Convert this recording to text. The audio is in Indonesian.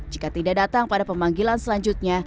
jika tidak datang pada pemanggilan selanjutnya